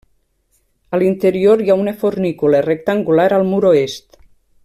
A l'interior hi ha una fornícula rectangular al mur oest.